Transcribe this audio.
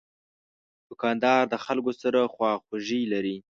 دوکاندار د خلکو سره خواخوږي لري.